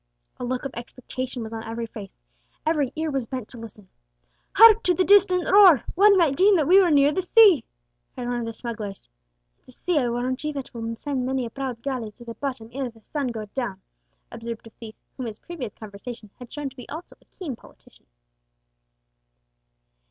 A look of expectation was on every face, every ear was bent to listen. "Hark to the distant roar! One might deem that we were near the sea!" cried one of the smugglers. "It's a sea, I warrant ye, that will send many a proud galley to the bottom ere the sun go down," observed a thief, whom his previous conversation had shown to be also a keen politician.